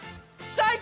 最高！